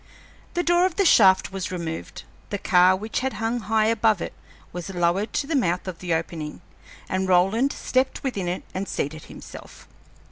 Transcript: The door of the shaft was removed, the car which had hung high above it was lowered to the mouth of the opening, and Roland stepped within it and seated himself.